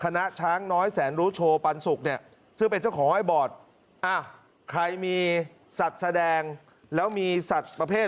คณะช้างน้อยแสนรูโชว์ปรรถสุขเนี่ย